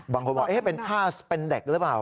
บางคนบอกเป็นผ้าเป็นเด็กหรือเปล่า